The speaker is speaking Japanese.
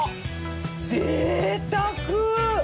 ぜいたく！